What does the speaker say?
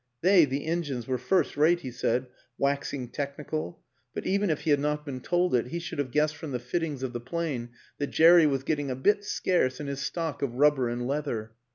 They, the engines, were first rate, he said, waxing technical; but even if he had not been told it, he should have guessed from the fittings of the plane that Jerry was getting a bit scarce in his stock of rubber and leather.